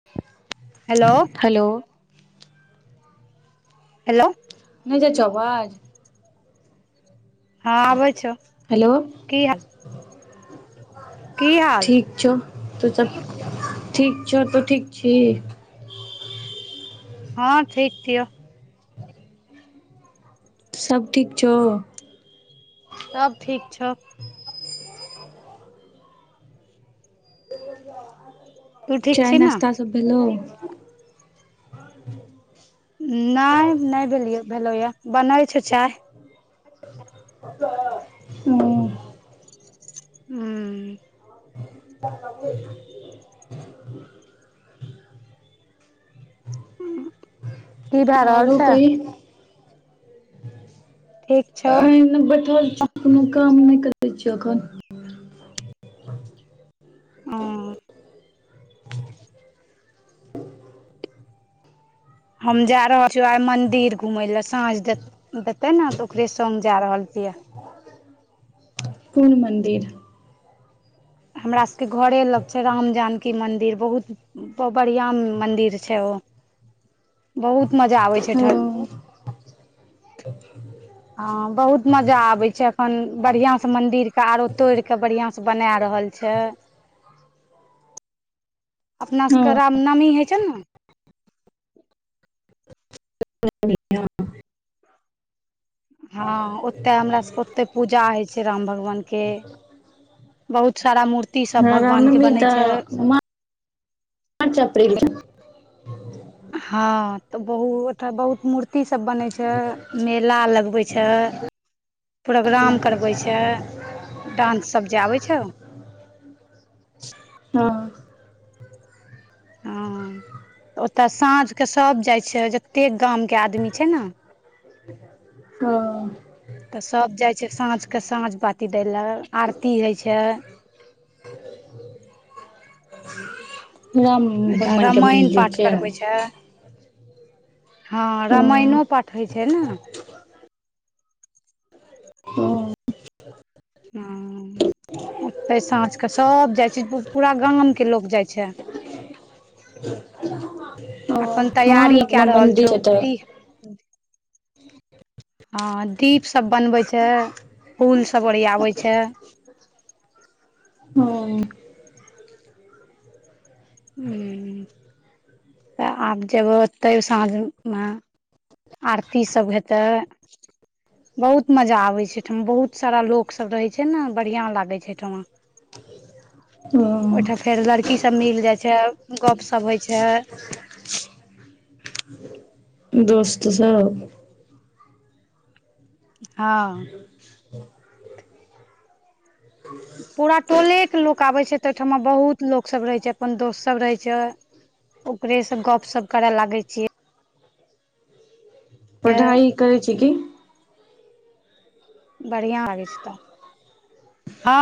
[unintelligible] Hello hello hello नय जाइ छो आबाज हँ आबै छौ हेलो की हाल की हाल ठीक छौ तू सब ठीक छौ तू ठीक छी हँ ठीक छिय सब ठीक छौ सब ठीक छौ [unintelligible] [unintelligible] तू ठीक चाय छी ने नाश्ता सब भेलो नय नै भेलैया भेलैया बनै छै चाय हूँ हू [unintelligible] [unintelligible] की भए रहल आरो छै कही ठीक छौ [unintelligible] बैठल छी कोनो काम नै करै छी अखन हँ हम जा रहल छीयौ आई मंदिर घुमय लेए साँझ दे देतै ने तऽ ओकरे सग जा रहल छियै कून मन्दिर हमरा सबके घरे लग छै राम जानकी मन्दिर बहुत प बढ़िया मंदिर छै ओ बहुत मजा आबे छै हँ ठक हँ बहुत मजा आबै छै अखन बढ़िया स मंदिर के आरो तोड़ क बढ़िया स बना रहल छै छै, [inaudible] अपना सबके हँ राम नमी होइ छै न [inaudible] हँ ओतय हमरा सके ओते पूजा होइ छै राम भगवान के बहुत सारा मूर्ति सब हँ भगवान के रामनवमी बनै छै, तऽ मार्च अप्रिल मे हँ, तऽ बहु ओठ बहुत मूर्ती ती सब बनय छै मेला लगवै छै, प्रोग्राम करबै छै डांनस सब जे आबै छौ हँ। हँ। ओतय साँझके सब जाइ छै जते गामके आदमी छै न ओ तऽ सब जाइ छै साँझ क साँझ बाती दै लऽ आरती होइ छै, राम एकटा भगवनके रामायण मन्दिर पाठ छै करबै हँ ओ रामायणो पाठ होइ छै ने हँ हँ ओते साँझ क सब जाय छै पूरा गामं के लोक जाय छै। [unintelligible] अखन हँ तैयारी लगमे कए रहल मन्दिर छौ छै तऽ दी हँ दीप सब बनवे छै फूल सब ओरियाबै छै, ओ उ तऽ आब जग ओतै साँझमे आरती सब हेतै बहुत मजा आबे छै ठम बहुत सारा लोक सब रहै छै न बढ़िया लागे छै ठमा। [unintelligible] ह ओईठा फेर लड़की सब मिल जाय छै गप सप होय छै, दोस्त सब हँ। पूरा टोले के लोक आबै छै तऽ ओहिठमा बहुत लोक सब रहै छै अपन दोस्त सब रहै छै, ओकरे स गप सप कर लागै छियै पढ़ाई करै छी कि बढ़िआ लागै छै तऽ ह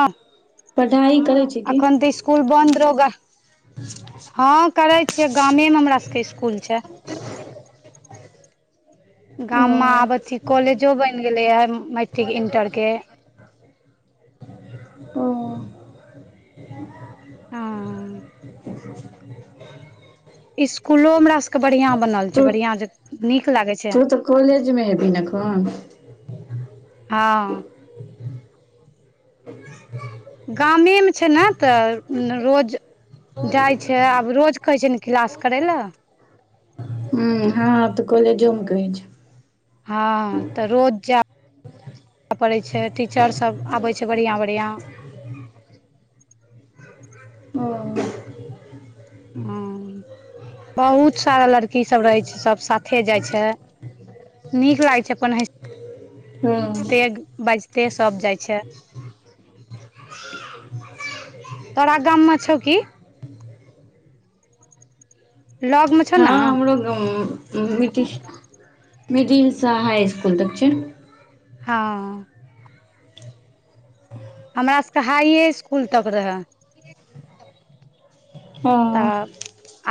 पढ़ाई करै छै कि स्कूल बन्द रगा ह करे छियै गामे मे हमरा सभके स्कूल छै गाम ओ मे आबै छी कॉलेजो बनि गेलैए मैट्रिक इणटर के ओ ह [inaudible] स्कूललो हमरा सभके बढ़िआ बनल तू छै बढ़िआ जे नीक लागै छै तू तऽ कॉलेज मे है भी ने कहन ह गामे मे छै ने तऽ रो जाई छै आब रोज कहै छै ने क्लास करै लए हू हाँ हाँ तऽ कॉलजो मे कहै छैय। हा तऽ रोज जा। पड़ैत छै टीचर सभ आबैत छै बढ़िआ बढ़िआ ह। बहुत सारा लड़कीसभ रहै छै सभ साथे जाई छै। नीक लागै छैय अपन हँ हसते बाजते सभ जाइ छैय। तोरा गाम मे छौ कि लग मे छौ हँ नै हमरो गाव मे मिड मिडिल से हाई स्कूल तक छैय। हा हमरा सभके हाइए स्कूल तक रहए। हँ तऽ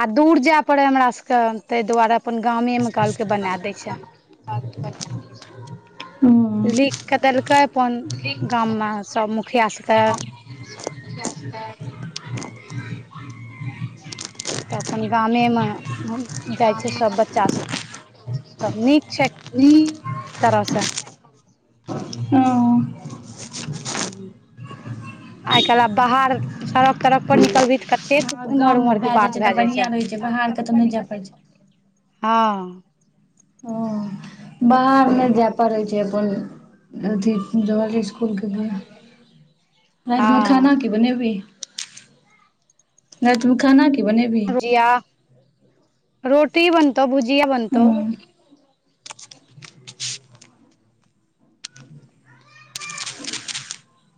आ दूर जाय पड़े हमरा सभ के ताहि दुआरे अपन गावे मे कहलके बना देय छैय। बच्चे। लिख कऽ देलकै अपन गाव मे सभ मुखिया सभके। [unintelligible] तऽ अपन गावे मे जाई छैय सभ बच्चा सभ। नीक छै एक तरह से। आई काल्हि आ बाहर सड़क तड़क पर निकलबी तऽ कते। उम्हर गाम मे उम्हर के भए बात छै तऽ भेए जाइ बढ़िया छैय रहै छै बाहर के तऽ नहि जाय पड़ै छै हा हँ बाहर नहि जाय पड़ै छैय अपन अथी जा स्कूल के घड़ रात मे हँ खाना कि बनबै। रात मे खाना कि बनेबै। किया रोटी बनतौ भुजिया बनतो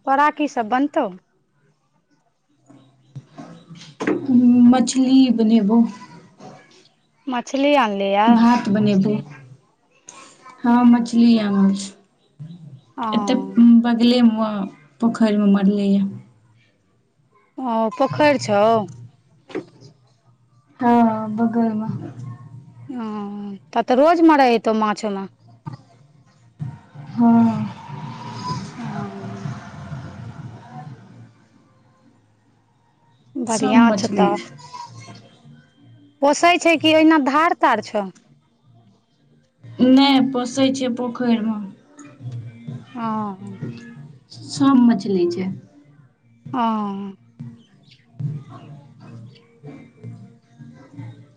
तोरा कि सभ बनतो। मछली बनेबौ। मछली आन। भात बनेबै हाँ मछली ओ भात। एतेक बगले मे पोखैरिमे मरलैए। ओ पोखेरि छौ। हाँ हाँ बगल म। ओ त तऽ रोज मारै हतौ माछ ओमे। हुं हाँ सब बढ़िया छौ मछली तऽ छै पोसै छै कि ओहिना धार तार छौ। नै पोसै छै पोखैरि में। हाँ सब मछली छै हाँ।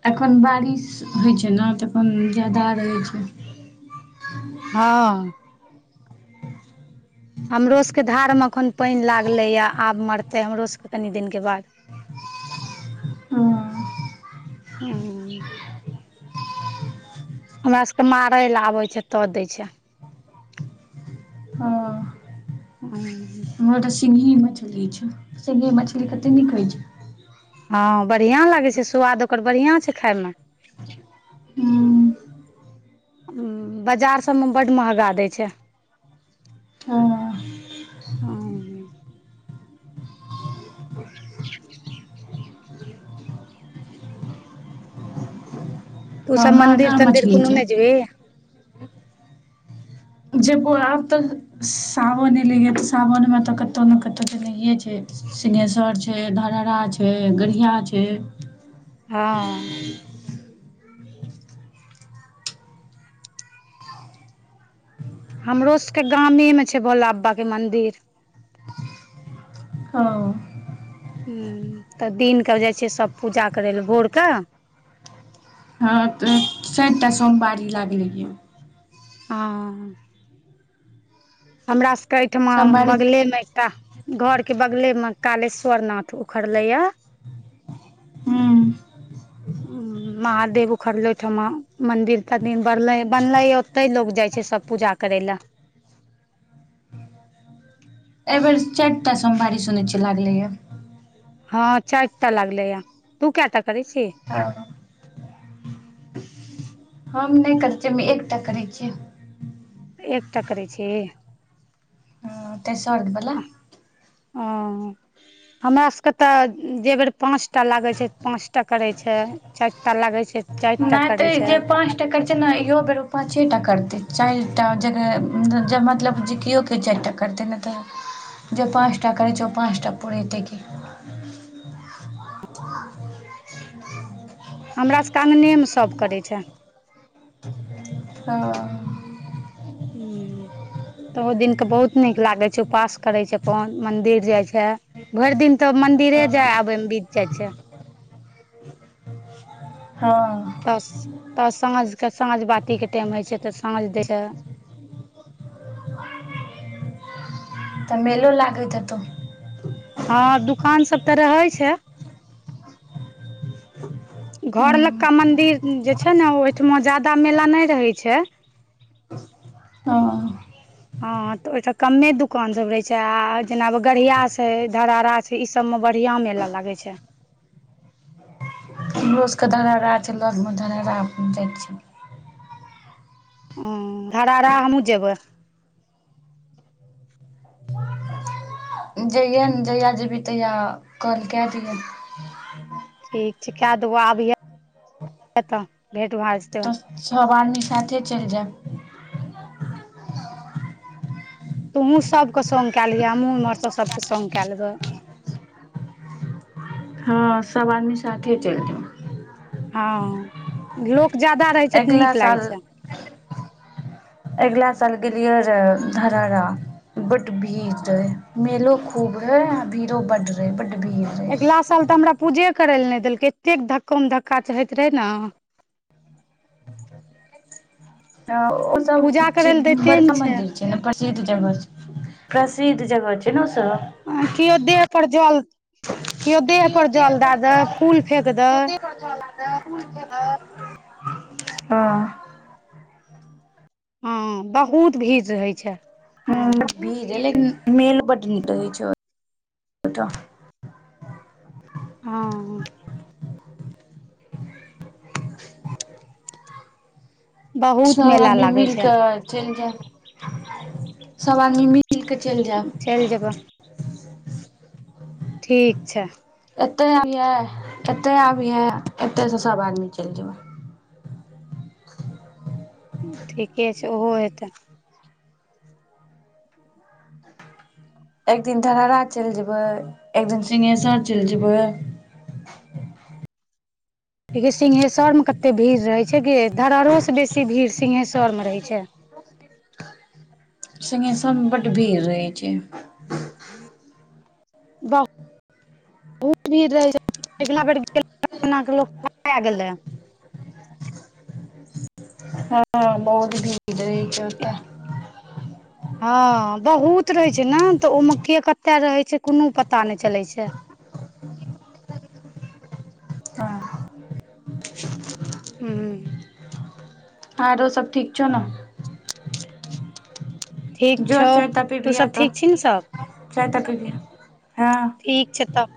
एखन बारिश होइ छै ने तऽअपन ज्यादा रहै छै हाँ। हमरो सबके धार मे एखन पानि लागलैए आब मरतै हमरो सब के कनि दिनके बाद। [inaudible] [inaudible] हमरा सबके मारै लए आबै छै तऽ दै छै हाँं। हूं हमर तऽ सिङ्गही मछली छै सिङ्गही मछली कते नीक होइ छैय। हाँ बढ़िया लागै छै सुवाद ओकर बढ़िया छै खाय मे। हूँ, बाजार सब में बड महंगा दै छै। हँ हूं तू हँ सब मन्दिर महगा तन्दिर मछली कोनो छै नहि जेबहि जेबो आबतऽ सावन एलैया तऽ सावनमे कतोअ नै कतोअ जनैय छइ सिंहेश्वर छै धरहड़ा छै घड़ियां छै हाँ। हमरो सबके गामे मे छैभोला बाबाके मन्दिर ओ ह तऽ दिन के जाइ छिय सब पूजा करय ल भोर के हँ तऽ चारि टा सोमवारी लागलैए हँ हमरा सभके एहिठमा सोमवारी बगलेमे एकटा घर के बगले में कालेश्वर नाथ उखड़ले या हु हु महादेव उखड़ले ओहिठमा मंदिर तनदीर बर बनलै ओते लोग जाय छै सब पूजा करैल एहिबेर चारिटा सोमबारी सुनैछीयै लागलैया हँ चाइर टा लागले या तू क‌एटा करै छी हँ हम नइ करै छियै हम एकटा करै छियै एकटा करै छी हँ, तेसर वला हं हमरा सबके तऽ जेए बेर पाँच टा लागै छै पाँचटा करै छै चाइर टा लागैय छै चारि टा नए करै तऽ छै जे पाँच टा कर ने इहो बेर ओ पाँचे टा करतै चारि टा जगह जे मतलब जे जीतियो के चारि टा करतै नएतऽ जे पाँचटा करै छै ओ पाँचटा पुरैतै की हमरा सभके अंगने सब करै छै ओ हु तऽ ओ दिन कऽ बहुत नीक लागे छै उपवास करे छैय अपन मंदिर जाय छै भरि दिन तऽ मंदिरे जाय आबे में बीत जाइ छैय [inaudible] हँ तऽ तऽ साँझ कऽ साँझ बाती टाइम होइ छै तऽ साँझ दै लऽ [unintelligible] तऽ मेल लागैत हेतो हँ दुकान सब तऽ रहे छैय [unintelligible] घर लका हँ मंदिर जे छैना ओहिठमा जादा मेला नै रहै छैय ह ऽ हँ तऽ ओइठाम कमे दुकान सब रहे छै आ जेना गड़ियास हैय धरारा ई सब में बड़िया मेला लागै छैय हमरो सब कऽ धरारा छै लग में धरारा जाइ छी हु धरारा हमहुँ जेबै जै यै ने जहिया जेबही तहिया कॉल कय दि है [unintelligible] ठीक छै कए देबौ आभियान [inaudible] तऽ भेट भै जे तऽ सब आदमी साथे चैल जायब तूहु सभ कऽ संग कै लिहा हमहूँ उमहर स सभ कऽ संग कै लेबे हँ सब आदमी साथे चैल जो हँ लोक जादा रहै छै तऽ अइगला नीक लागै साल छै [unintelligible] अइगला साल गेलियै रै धरारा बड भीर रहै मेलो खूब है यह भीरो बड रहेै बड भीर आइगला साल तऽ हमरा पूजे करय लऽ नै देलकै एतेक धक्को म धक्का हैत रहे ने ओ सब पूजा करै लए [unintelligible] दैते ने बड़का मंदिर छै प्रसिद्ध जगह छै [inaudible] प्रसिद्ध जगह छैय न ओसब केओ देह पर जल [inaudible] केओ देह पर जल दए दे फूल फेेक दे [unintelligible] हँ हँ बहुत भीड़ रहैत छै हु भीड़ ए मेल बड निकै छै [inaudible] ओत [unintelligible] बहुत सब मेला आदमी लागै मिल छै कऽ चैल जेब [inaudible] सभ आदमी मिल कऽ चैल चलि जेबै जेब [unintelligible] ठीक छै एतै आबिहे एतै आबियहे एतै स सब आदमी चैल जेबै [unintelligible] ठीके छै ओहो हेतै एकदिन धरारा चैल जेबै एक दिन सिंहेसर चैल जेबै सिंहहेश्वर में कते भीड़ रहै छै कि धराराहो स बेसी भीड़ सिंहहेश्वर रहै छै सिघेश्वर बड भीड़ रहै छै [unintelligible] बहुत भीड़ रह छै [unintelligible] हँ बहुत भीड़ रहै छै ओत हँ बहुत रहै छै न त ओहिमे के कते रहै छै कोनो पता नहि चलै छै हँ हँ आरो सब ठीक छौ न ठीक जो छौ चाय ताइ पीबिहे सब तू ठीक छी ने सब चाय तकनीही हे ठीक छै तब